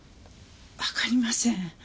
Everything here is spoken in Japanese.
わかりません。